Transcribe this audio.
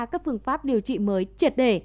các phương pháp điều trị mới triệt đề